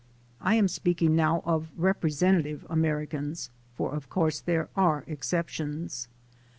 I am speaking now of representative Americans, for of course there are exceptions.